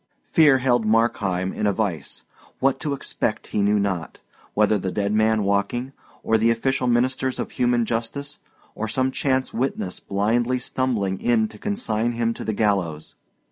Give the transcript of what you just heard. Fear held Markheim in a vice. What to expect he knew not whether the dead man walking, or the official ministers of human justice, or some chance witness blindly stumbling in to consign him to the gallows.